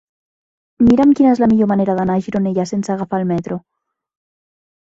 Mira'm quina és la millor manera d'anar a Gironella sense agafar el metro.